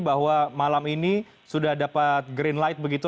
bahwa malam ini sudah dapat green light begitu